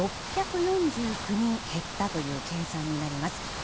６４９人減ったという計算になります。